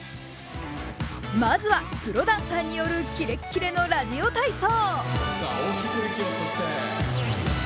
まずはプロダンサーによるキレッキレのラジオ体操。